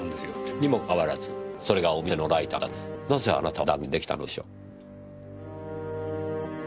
にもかかわらずそれがお店のライターだとなぜあなたは断言できたのでしょう？